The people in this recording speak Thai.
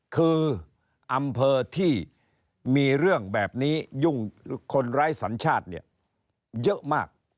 คืออำเภอที่มีเรื่องแบบนี้ยุ่งคนไร้สัญชาติเนี่ยเยอะมาก